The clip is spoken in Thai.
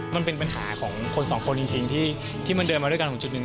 มันเป็นปัญหาของคนสองคนจริงที่มันเดินมาด้วยกันถึงจุดหนึ่ง